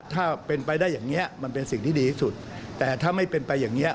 ถ้าเป็นไปได้อย่างเงี้ยมันเป็นสิ่งที่ดีที่สุดแต่ถ้าไม่เป็นไปอย่างเงี้